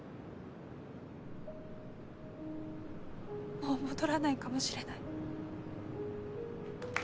もう戻らないかもしれない。